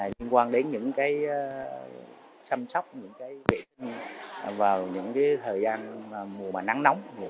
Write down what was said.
liên quan đến những cái chăm sóc những cái bệnh vào những thời gian mùa nắng nóng